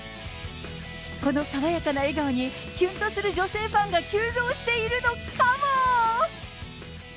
この爽やかな笑顔にきゅんとする女性ファンが急増しているのかも。